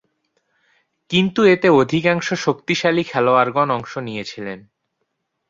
কিন্তু এতে অধিকাংশ শক্তিশালী খেলোয়াড়গণ অংশ নিয়েছিলেন।